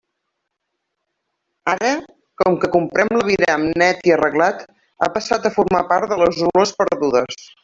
Ara, com que comprem l'aviram net i arreglat, ha passat a formar part de les olors perdudes.